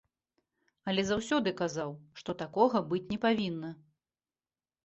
Але заўсёды казаў, што такога быць не павінна.